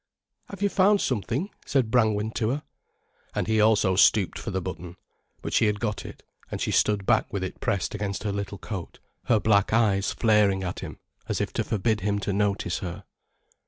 "Have you found something?" said Brangwen to her. And he also stooped for the button. But she had got it, and she stood back with it pressed against her little coat, her black eyes flaring at him, as if to forbid him to notice her.